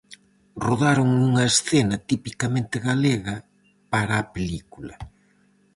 Rodaron unha escena tipicamente galega para a película.